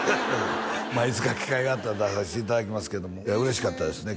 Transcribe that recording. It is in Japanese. まあいつか機会があったら出させていただきますけどもいや嬉しかったですね